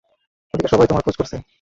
ওদিকে সবাই তোমার খোঁজ করছে!